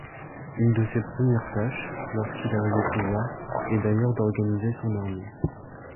Une de ses premières tâches, lorsqu'il arrive au pouvoir, est d'ailleurs d'organiser son armée.